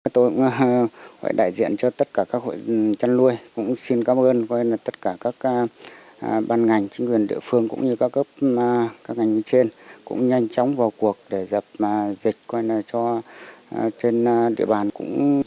tôi cũng đại diện cho tất cả các hội chăn nuôi cũng xin cảm ơn tất cả các ban ngành chính quyền địa phương cũng như các cấp các ngành trên cũng nhanh chóng vào cuộc để dập dịch trên địa bàn